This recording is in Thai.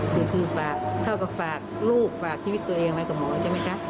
คือฝากเท่ากับฝากลูกฝากชีวิตตัวเองไว้กับหมอใช่ไหมคะ